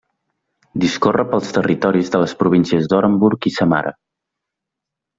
Discorre pels territoris de les províncies d'Orenburg i de Samara.